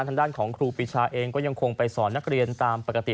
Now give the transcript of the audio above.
ทางด้านของครูปีชาเองก็ยังคงไปสอนนักเรียนตามปกติ